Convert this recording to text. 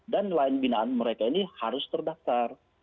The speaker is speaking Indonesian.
dan nelayan binaan mereka ini harus terdaftar